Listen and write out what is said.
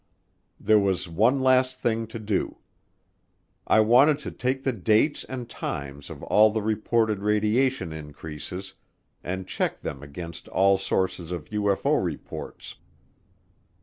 There was one last thing to do. I wanted to take the dates and times of all the reported radiation increases and check them against all sources of UFO reports.